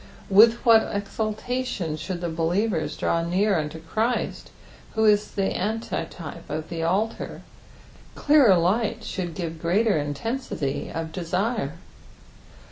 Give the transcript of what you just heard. With what exultation should betieveis draw near unto Christ, who is the antitype of the altar I clearer light should give greater intensity of desire.